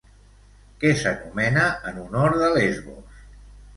Què s'anomena en honor de Lesbos?